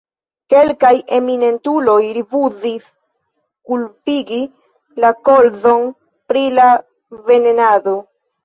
Kelkaj eminentuloj rifuzis kulpigi la kolzon pri la venenado.